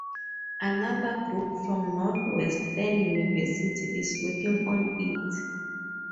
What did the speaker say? Another group from Northwestern University is working on it.